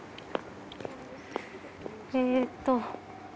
えっと。